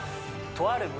とある村